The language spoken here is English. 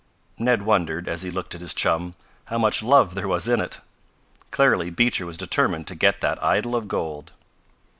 Ned wondered, as he looked at his chum, how much love there was in it. Clearly Beecher was determined to get that idol of gold.